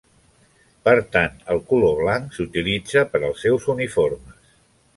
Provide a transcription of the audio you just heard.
Per tant, el color blanc s'utilitza per als seus uniformes.